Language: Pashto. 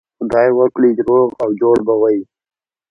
خدای وکړي جوړ او روغ به وئ.